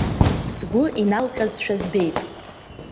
Сгәы иналҟьазшәа збеит.